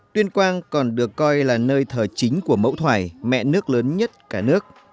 tuyên quang còn được coi là nơi thờ chính của mẫu thoải mẹ nước lớn nhất cả nước